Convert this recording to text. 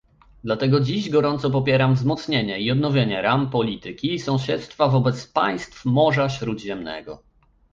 Dlatego dziś gorąco popieram wzmocnienie i odnowienie ram polityki sąsiedztwa wobec państw Morza Śródziemnego